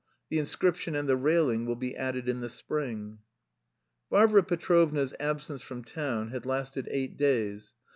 The inscription and the railing will be added in the spring. Varvara Petrovna's absence from town had lasted eight days.